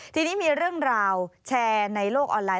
ทีนี้มีเรื่องราวแชร์ในโลกออนไลน